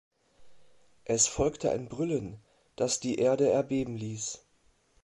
Es folgte ein Brüllen, das die Erde erbeben ließ.